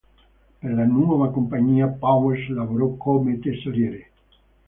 Per la nuova compagnia, Powers lavorò come tesoriere.